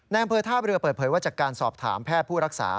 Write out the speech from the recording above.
อำเภอท่าเรือเปิดเผยว่าจากการสอบถามแพทย์ผู้รักษา